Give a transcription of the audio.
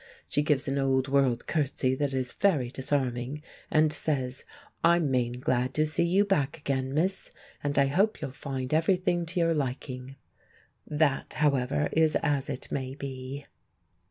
She gives an old world curtsy that is very disarming, and says, "I'm main glad to see you back again, miss, and I hope you'll find everything to your liking." That, however, is as it may be.